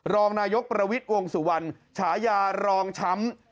รองนายกประวิทย์วงสุวรรณฉายารองช้ำ